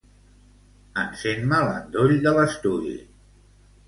Encén-me l'endoll de l'estudi.